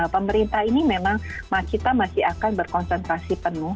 pemerintah ini memang kita masih akan berkonsentrasi penuh